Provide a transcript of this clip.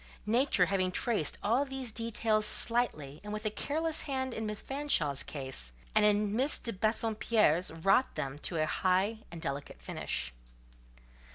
Nature having traced all these details slightly, and with a careless hand, in Miss Fanshawe's case; and in Miss de Bassompierre's, wrought them to a high and delicate finish.